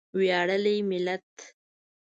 ویاړلی ملت.